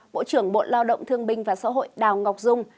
bộ trưởng bộ lao động thương binh và xã hội đào ngọc dung